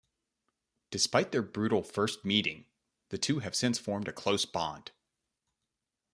Despite their brutal first meeting, the two have since formed a close bond.